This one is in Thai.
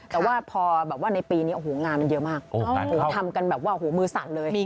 แต่ว่าพอในปีนี้งานมันเยอะมากทำกันแบบว่ามือสั่นเลย